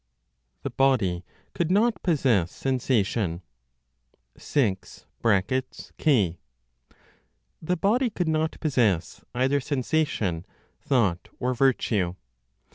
THE BODY COULD NOT POSSESS SENSATION. 6. (k.) (The body could not possess either sensation, thought, or virtue.)